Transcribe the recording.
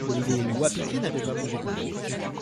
Les wapitis n’avaient pas bougé.